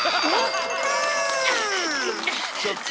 ちょっと。